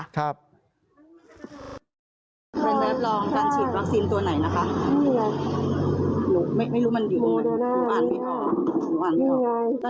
รับรองการฉีดวัคซีนตัวไหนนะคะ